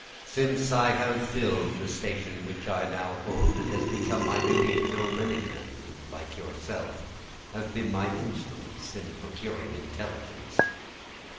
Since I have filled the station which I now hold, it has become my duty to know many men, who, like yourself, have been my instruments in procuring intelligence.